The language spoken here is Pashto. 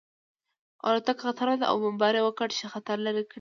الوتکو خطر ولید او بمبار یې وکړ چې خطر لرې کړي